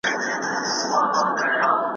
هر څېړونکی باید خپله لیکنه په دقت برابره کړي.